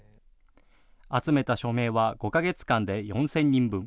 集めた署名は５か月間で４０００人分。